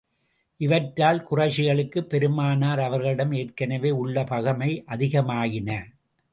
இவற்றால் குறைஷிகளுக்கு, பெருமானார் அவர்களிடம் ஏற்கனவே உள்ள பகைமை அதிகமாயின.